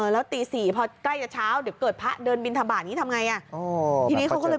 แล้วตี๔พอใกล้จะเช้าเดี๋ยวเกิดพระเดินบินทบาทนี้ทำไง